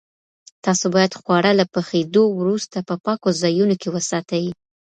تاسو باید خواړه له پخېدو وروسته په پاکو ځایونو کې وساتئ.